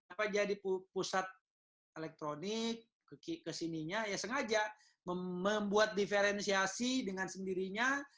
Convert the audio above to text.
apa jadi pusat elektronik kesininya ya sengaja membuat diferensiasi dengan sendirinya